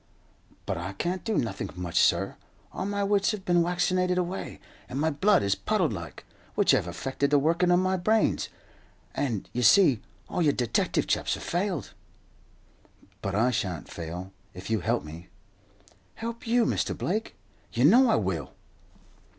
"But I can't do nothink much, sur. All my wits hev bin waccinated away, and my blood is puddled like, which hev affected the workin' o' my brains; and, you see, all your detective chaps have failed." "But I shan't fail, if you'll help me." "Help you, Mr. Blake? You know I will!"